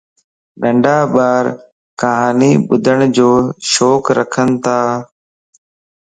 ننڍا ٻارَ ڪھاني ٻُڌڙ جو شوق رکنتا